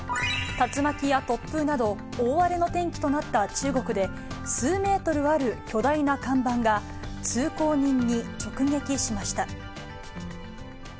竜巻や突風など、大荒れの天気となった中国で、数メートルある巨大な看板が、通行人に直撃しました。